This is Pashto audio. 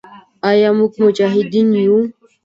آیا موږ مجاهدین یو؟